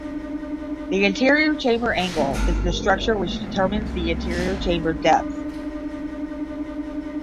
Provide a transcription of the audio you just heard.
The anterior chamber angle is the structure which determines the anterior chamber depth.